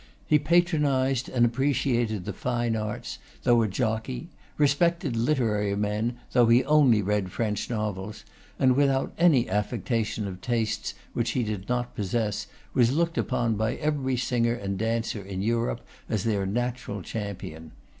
He patronised and appreciated the fine arts, though a jockey; respected literary men, though he only read French novels; and without any affectation of tastes which he did not possess, was looked upon by every singer and dancer in Europe as their natural champion.